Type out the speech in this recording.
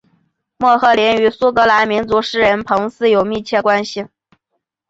莫赫林与苏格兰民族诗人彭斯有密切关系。